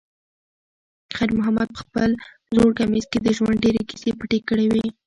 خیر محمد په خپل زوړ کمیس کې د ژوند ډېرې کیسې پټې کړې وې.